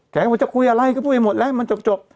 แกว่าจะคุยอะไรก็คุยหมดแล้วมันจบ